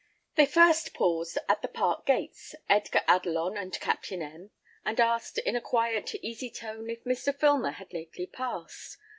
They first paused at the park gates, Edgar Adelon and Captain M , and asked, in a quiet, easy tone, if Mr. Filmer had lately passed.